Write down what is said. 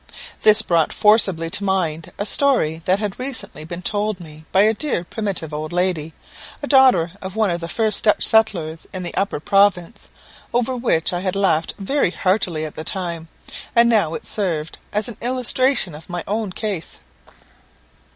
This brought forcibly to my mind a story that had recently been told me by a dear primitive old lady, a daughter of one of the first Dutch settlers in the Upper Province, over which I had laughed very heartily at the time; and now it served as an illustration of my own case.